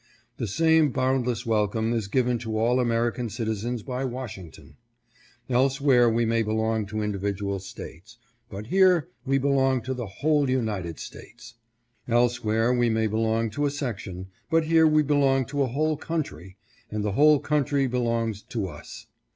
The same boundless welcome is given to all American citizens by Washington. Elsewhere we may belong to individual States, but here we belong to the whole United States. Elsewhere we may belong to a section, but here we belong to a whole country, and the whole country belongs to us.